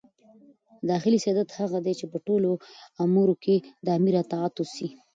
داخلي سیادت هغه دئ، چي په ټولو امورو کښي د امیر اطاعت وسي.